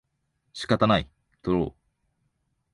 仕方ない、とろう